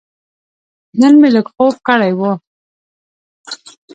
نن مې لږ خوب کړی و.